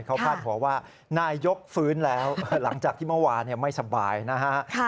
เขาพาดหัวว่านายยกฟื้นแล้วหลังจากที่เมื่อวานไม่สบายนะฮะ